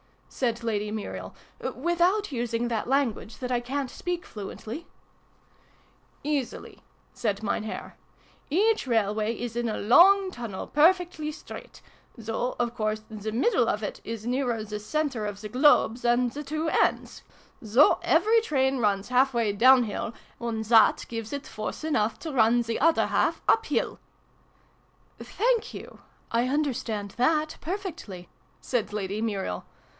said Lady Muriel. "Without using that language, that I ca'n't speak fluently ?"" Easily," said Mein Herr. " Each railway is in a long tunnel, perfectly straight : so of course the middle of it is nearer the centre of the globe than the two ends : so every train io8 SYLVIE AND BRUNO CONCLUDED. runs half way down \\\\\, and that gives it force enough to run the other half up \i\\\" " Thank you. I understand that perfectly," said Lady Muriel.